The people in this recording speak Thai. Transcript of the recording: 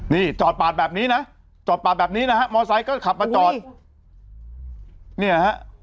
นี่จอดปาดแบบนี้นะจอดปาดแบบนี้นะฮะมอไซค์ก็ขับมาจอดเนี่ยฮะ